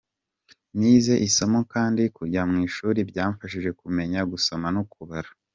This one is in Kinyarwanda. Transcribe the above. Nize isomo kandi kujya mu ishuri byamfashije kumenya gusoma no kubara.